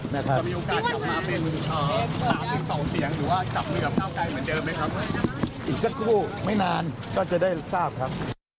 อีกสักครู่ไม่นานก็จะได้ทราบครับ